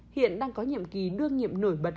hiện đang có nhiệm kỳ đương nhiệm nổi bật